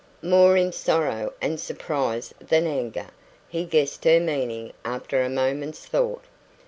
More in sorrow and surprise than in anger, he guessed her meaning after a moment's thought.